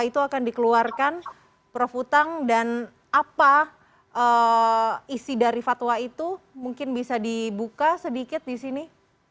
itu akan dikeluarkan prof utang dan apa isi dari fatwa itu mungkin bisa dibuka sedikit di sini